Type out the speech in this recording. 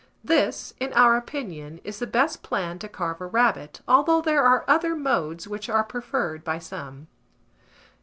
This, in our opinion, is the best plan to carve a rabbit, although there are other modes which are preferred by some.